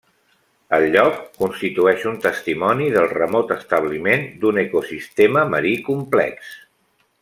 El lloc constitueix un testimoni del remot establiment d'un ecosistema marí complex.